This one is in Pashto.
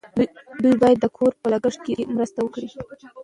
دوی باید د کور په لګښت کې مرسته وکړي.